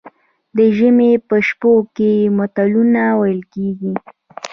د ژمي په شپو کې متلونه ویل کیږي.